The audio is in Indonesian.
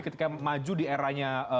ketika maju di eranya